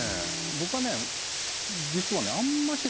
僕はね実はあんまし